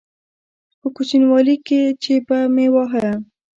په کوچنيوالي کښې چې به مې واهه.